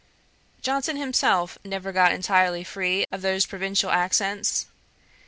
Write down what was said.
Johnson himself never got entirely free of those provincial accents.